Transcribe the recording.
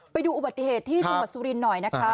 ไปดูอุบัติเหตุที่จังหวัดสุรินทร์หน่อยนะคะ